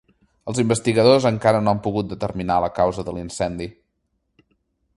Els investigadors encara no han pogut determinar la causa de l’incendi.